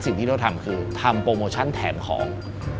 สิ่งที่เราทำคือทำโปรโมชั่นแถมของ